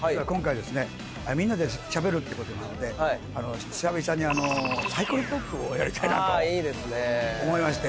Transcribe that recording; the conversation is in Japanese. みんなでしゃべるってことなので久々にサイコロトークをやりたいなと思いまして。